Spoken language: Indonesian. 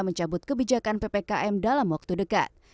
mencabut kebijakan ppkm dalam waktu dekat